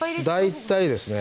大体ですね